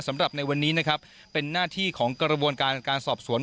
สำหรับในวันนี้นะครับเป็นหน้าที่ของกระบวนการการสอบสวน